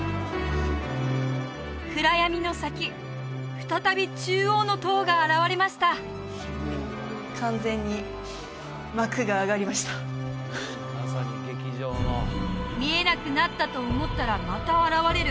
暗闇の先再び中央の塔が現れました完全に見えなくなったと思ったらまた現れる